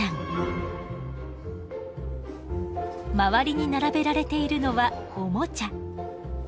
周りに並べられているのはおもちゃ。